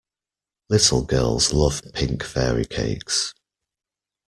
Little girls love pink fairy cakes.